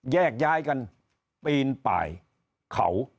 แยกย้ายกันปีนป่ายเขา